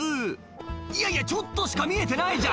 いやいやちょっとしか見えてないじゃん！